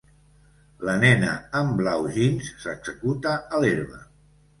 La nena en blau Jeans s'executa a l'herba.